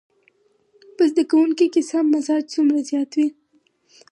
په زده کوونکي کې سم مزاج څومره زيات وي.